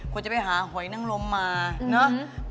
จะไปหาหอยนังลมมาเนอะ